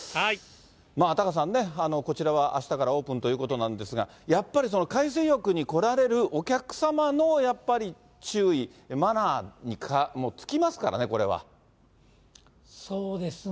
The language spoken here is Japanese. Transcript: タカさんね、こちらはあしたからオープンということなんですが、やっぱり海水浴に来られるお客様の、やっぱり注意、そうですね。